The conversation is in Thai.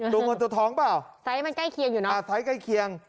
ตัวเงินตัวทองเปล่าไซส์มันใกล้เคียงอยู่นะอ่าไซส์ใกล้เคียง